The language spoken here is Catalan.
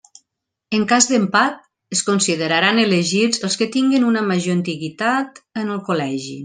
En cas d'empat, es consideraran elegits els que tinguen una major antiguitat en el Col·legi.